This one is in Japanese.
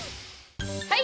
はい！